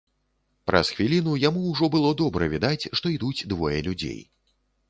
Праз хвіліну яму ўжо было добра відаць, што ідуць двое людзей.